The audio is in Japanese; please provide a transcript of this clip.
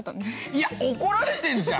いや怒られてんじゃん！